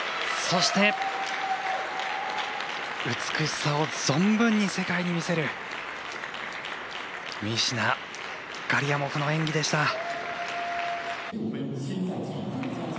そして、美しさを存分に世界に見せるミシナ、ガリアモフの演技でした。